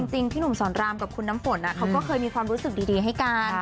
พี่หนุ่มสอนรามกับคุณน้ำฝนเขาก็เคยมีความรู้สึกดีให้กัน